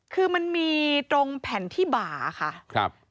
คือมันมีตรงแผ่นที่บาค่ะ